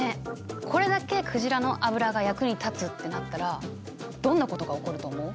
これだけ鯨の油が役に立つってなったらどんなことが起こると思う？